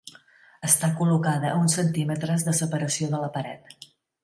Està col·locada a uns centímetres de separació de la paret.